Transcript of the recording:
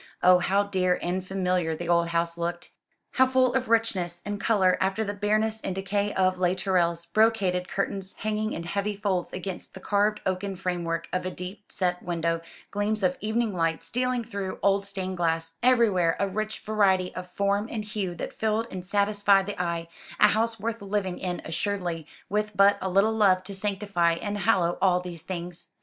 Oh, how dear and familiar the old house looked, how full of richness and colour after the bareness and decay of Les Tourelles; brocaded curtains hanging in heavy folds against the carved oaken framework of a deep set window; gleams of evening light stealing through old stained glass; everywhere a rich variety of form and hue that filled and satisfied the eye; a house worth living in assuredly, with but a little love to sanctify and hallow all these things.